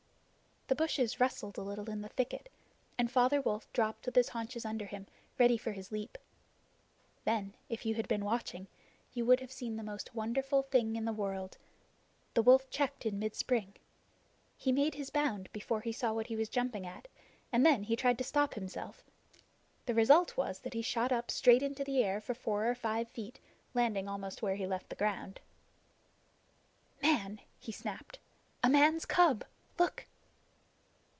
The bushes rustled a little in the thicket, and Father Wolf dropped with his haunches under him, ready for his leap. Then, if you had been watching, you would have seen the most wonderful thing in the world the wolf checked in mid spring. He made his bound before he saw what it was he was jumping at, and then he tried to stop himself. The result was that he shot up straight into the air for four or five feet, landing almost where he left ground. "Man!" he snapped. "A man's cub. Look!"